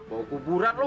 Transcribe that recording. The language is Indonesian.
bau kuburat lo